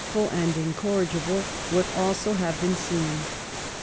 1 3 ful and incorrigible, would also have been seen.